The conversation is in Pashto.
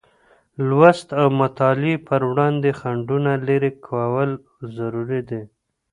لوست او مطالعې پر وړاندې خنډونه لېرې کول ضروري دی.